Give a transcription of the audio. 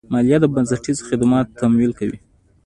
مالیه د بنسټیزو خدماتو تمویل کوي.